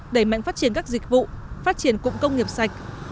đẩy mạnh phát triển các dịch vụ phát triển cụng công nghiệp sạch